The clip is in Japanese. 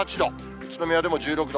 宇都宮でも１６度。